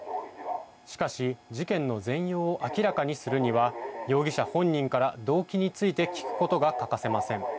しかし事件の全容を明らかにするには容疑者本人から動機について聞くことが欠かせません。